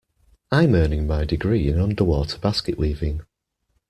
I'm earning my degree in underwater basket weaving.